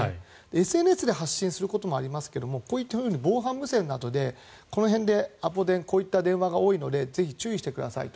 ＳＮＳで発信することもありますがこういうふうに防災無線でこういった地域でこういった電話が多いのでぜひ注意してくださいと。